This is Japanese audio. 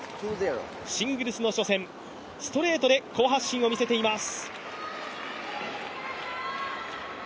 シングルスの初戦ストレートで好発進を見せています。